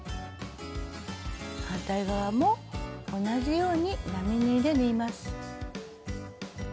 反対側も同じように並縫いで縫います。